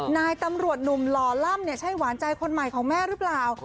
นายตำรวจหนุ่มหล่อล่ำใช่หวานใจคนใหม่ของแม่หรือเปล่า